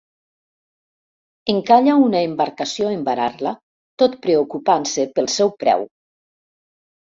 Encalla una embarcació en varar-la, tot preocupant-se pel seu preu.